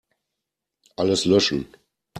Alles löschen.